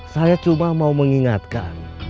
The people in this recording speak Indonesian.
saya cuma mau mengingatkan